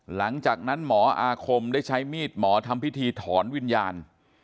หลังจากนั้นหมออาคมได้ใช้มีดหมอทำพิธีถอนวิญญาณ